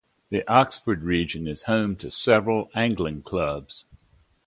The Oxford region is home to several angling clubs.